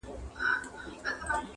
واک د زړه مي عاطفو ته ور کی یاره،